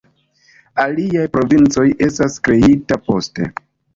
Aliaj provincoj estas kreitaj poste.